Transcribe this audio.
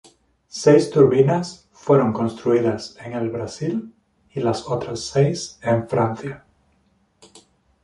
Seis turbinas fueron construidas en el Brasil y las otras seis en Francia.